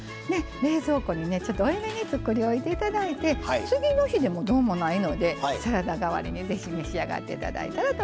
冷蔵庫にちょっと多めに作りおいて頂いて次の日でもどうもないのでサラダ代わりにぜひ召し上がって頂いたらと思います。